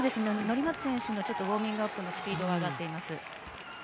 乗松選手のウォーミングアップのスピードが上がっています。